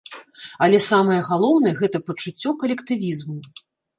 Але самае галоўнае, гэта пачуццё калектывізму.